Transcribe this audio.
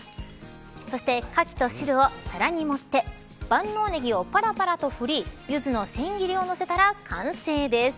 そして、かきと汁を皿に盛って万能ねぎをぱらぱらと振りゆずの千切りを乗せたら完成です。